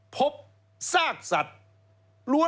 พบซากสัตว์